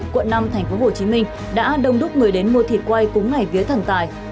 quận năm tp hcm đã đông đúc người đến mua thịt quay cúng ngải vía thẳng tài